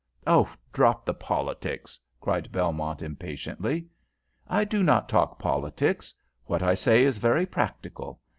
"Oh, drop the politics!" cried Belmont, impatiently. "I do not talk politics. What I say is very practical.